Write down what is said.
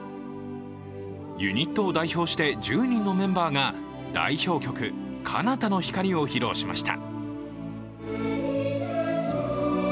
ユニットを代表して１０人のメンバーが代表曲「彼方の光」を披露しました。